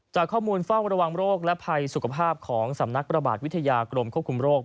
จากข้อมูลเฝ้าระวังโรคและภัยสุขภาพของสำนักระบาดวิทยากรมควบคุมโรค